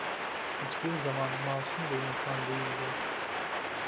Hiçbir zaman masum bir insan değildim.